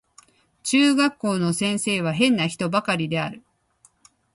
中学校の先生は変な人ばかりである